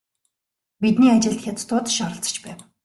Бидний ажилд хятадууд ч оролцож байв.